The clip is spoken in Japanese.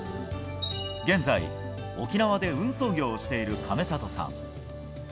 現在、沖縄で運送業をしている亀里さん。